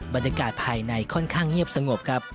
บรรยากาศภายในค่อนข้างเงียบสงบครับ